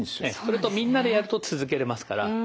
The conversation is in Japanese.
それとみんなでやると続けれますから。